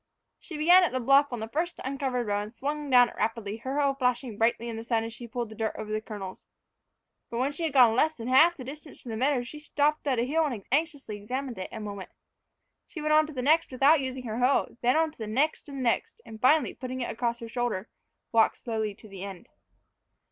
She began at the bluff on the first uncovered row, and swung down it rapidly, her hoe flashing brightly in the sun as she pulled the dirt over the kernels. But when she had gone less than half the distance to the meadow she stopped at a hill and anxiously examined it a moment. She went on to the next without using her hoe, then on to the next and the next; and, finally, putting it across her shoulder, walked slowly to the end.